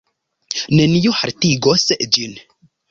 Nenio haltigos ĝin.